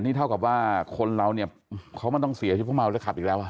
นี่เท่ากับว่าคนเราเนี่ยเขาไม่ต้องเสียชื่อผู้เมาและขับอีกแล้ว